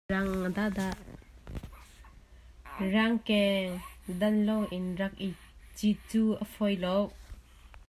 Rangkengdan lo in rang i cit cu a fawi lo.